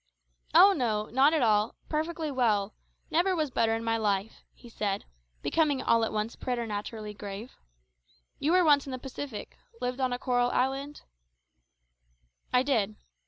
"Oh no! not at all; perfectly well never was better in my life," he said, becoming all at once preternaturally grave. "You were once in the Pacific lived on a coral island " "I did."